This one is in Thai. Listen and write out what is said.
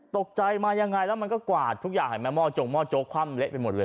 ตกใจมายังไงแล้วมันก็กวาดทุกอย่างเห็นไหมหม้อจงหม้อโจ๊กคว่ำเละไปหมดเลย